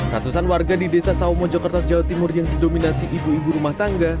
ratusan warga di desa saomo jogja timur yang didominasi ibu ibu rumah tangga